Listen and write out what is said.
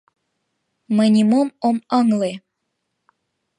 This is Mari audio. Мый нимом ом ыҥле...